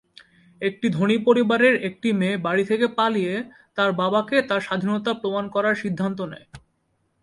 একটি ধনী পরিবারের একটি মেয়ে বাড়ি থেকে পালিয়ে তার বাবাকে তার স্বাধীনতা প্রমাণ করার সিদ্ধান্ত নেয়।